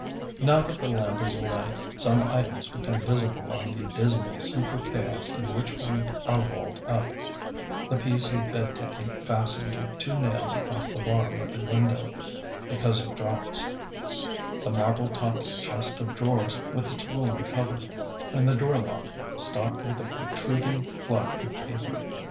Now that the lamp is alight some items become visible of the dismal super chaos in which we are walled up, the piece of bed ticking fastened with two nails across the bottom of the window, because of draughts; the marble topped chest of drawers, with its woolen cover; and the door lock, stopped with a protruding plug of paper.